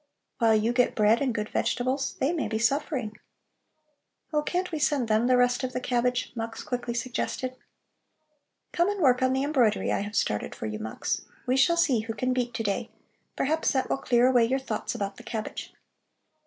While you get bread and good vegetables, they may be suffering." "Oh, can't we send them the rest of the cabbage?" Mux quickly suggested. "Come and work on the embroidery I have started for you, Mux. We shall see who can beat to day. Perhaps that will clear away your thoughts about the cabbage.